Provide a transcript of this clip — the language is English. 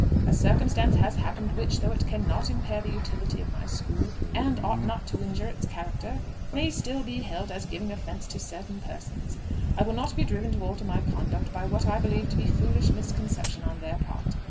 A circumstance has happened which, though it cannot impair the utility of my school, and ought not to injure its character, may still be held as giving offence to certain persons. I will not be driven to alter my conduct by what I believe to be foolish misconception on their part.